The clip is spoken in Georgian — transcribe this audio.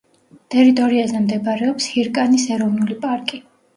ტერიტორიაზე მდებარეობს ჰირკანის ეროვნული პარკი.